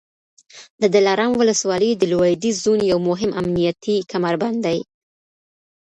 د دلارام ولسوالي د لوېدیځ زون یو مهم امنیتي کمربند دی